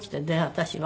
私は。